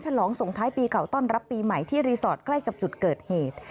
ฉลองส่งท้ายปีเก่าต้อนรับปีใหม่ที่รีสอร์ทใกล้กับจุดเกิดเหตุ